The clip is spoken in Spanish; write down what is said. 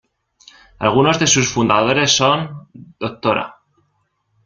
Algunos de sus fundadores son Dra.